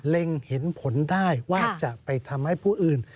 เห็นผลได้ว่าจะไปทำให้ผู้อื่น